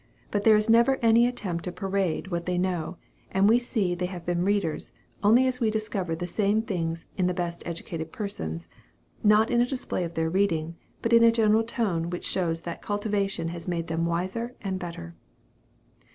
But there is never any attempt to parade what they know; and we see they have been readers, only as we discover the same thing in the best educated persons, not in a display of their reading, but in a general tone which shows that cultivation has made them wiser and better.